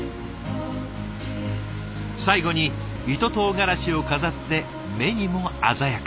最後に糸とうがらしを飾って目にも鮮やか。